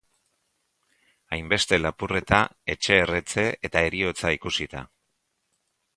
Hainbeste lapurreta, etxe erretze eta heriotza ikusita.